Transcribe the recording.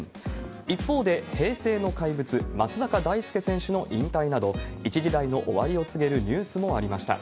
一方で平成の怪物、松坂大輔選手の引退など、一時代の終わりを告げるニュースもありました。